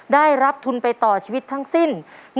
ได้รับทุนไปต่อชีวิตทั้งสิ้น